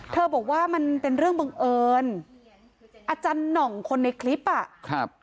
บอกว่ามันเป็นเรื่องบังเอิญอาจารย์หน่องคนในคลิปอ่ะครับ